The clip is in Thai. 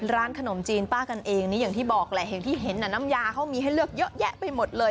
ร้านขนมจีนป้ากันเองนี่อย่างที่บอกแหละอย่างที่เห็นน้ำยาเขามีให้เลือกเยอะแยะไปหมดเลย